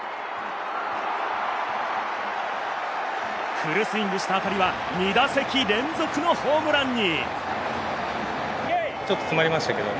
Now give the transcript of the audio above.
フルスイングした当たりは２打席連続のホームランに。